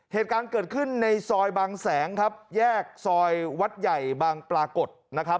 เหตุการณ์เกิดขึ้นในซอยบางแสงครับแยกซอยวัดใหญ่บางปรากฏนะครับ